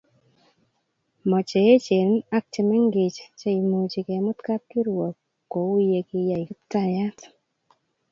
Mo cheechen ak chemengech cheimuchi kemut kapkirwok kouye kiyai kiptaiyat